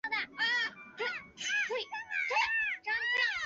生卒年均不详。